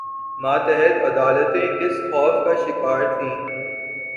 ماتحت عدالتیں کس خوف کا شکار تھیں؟